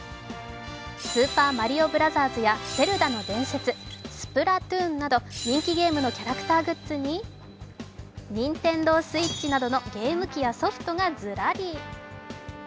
「スーパーマリオブラザーズ」や「ゼルダの伝説」、「スプラトゥーン」など人気ゲームのキャラクターグッズにＮｉｎｔｅｎｄｏＳｗｉｔｃｈなどのゲーム機やソフトなどがずらり。